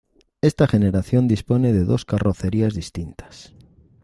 Esta generación dispone de dos carrocerías distintas.